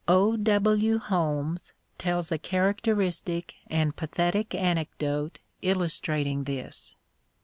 O. W. Holmes tells a characteristic and pathetic anecdote illustrating this.